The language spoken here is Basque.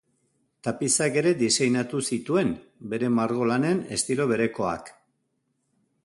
Tapizak ere diseinatu zituen, bere margolanen estilo berekoak.